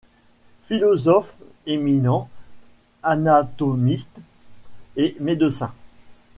Philosophe éminent anatomiste et médecin.